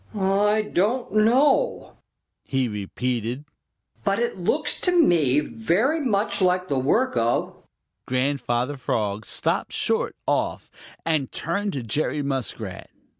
"I don't know," he repeated, "but it looks to me very much like the work of " Grandfather Frog stopped short off and turned to Jerry Muskrat.